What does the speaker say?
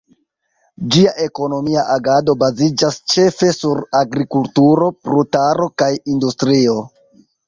Ĝia ekonomia agado baziĝas ĉefe sur agrikulturo, brutaro kaj industrio.